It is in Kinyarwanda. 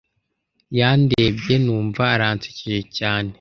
Yandebye numva aransekeje cyane